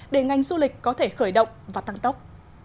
để ngành du lịch có thể khởi động và tăng tốc